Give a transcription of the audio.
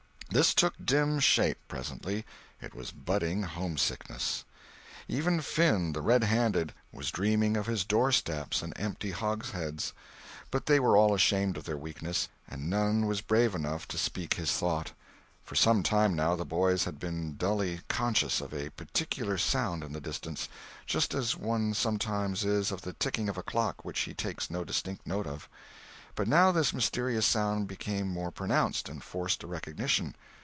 This took dim shape, presently—it was budding homesickness. Even Finn the Red Handed was dreaming of his doorsteps and empty hogsheads. But they were all ashamed of their weakness, and none was brave enough to speak his thought. For some time, now, the boys had been dully conscious of a peculiar sound in the distance, just as one sometimes is of the ticking of a clock which he takes no distinct note of. But now this mysterious sound became more pronounced, and forced a recognition.